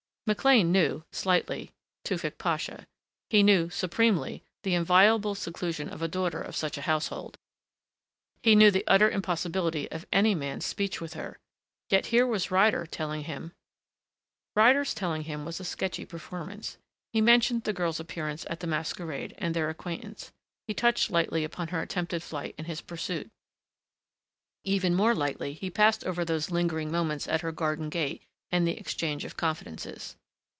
McLean knew slightly Tewfick Pasha. He knew supremely the inviolable seclusion of a daughter of such a household. He knew the utter impossibility of any man's speech with her. Yet here was Ryder telling him Ryder's telling him was a sketchy performance. He mentioned the girl's appearance at the masquerade and their acquaintance. He touched lightly upon her attempted flight and his pursuit. Even more lightly he passed over those lingering moments at her garden gate and the exchange of confidences.